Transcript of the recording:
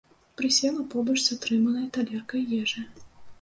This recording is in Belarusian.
Прысела побач з атрыманай талеркай ежы.